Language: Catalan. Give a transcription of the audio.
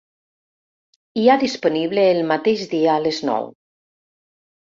Hi ha disponible el mateix dia a les nou.